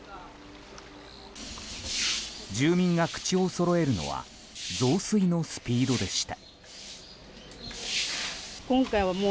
住民が口をそろえるのは増水のスピードでした。